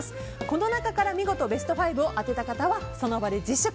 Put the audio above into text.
この中から見事ベスト５を当てた方は、その場で実食。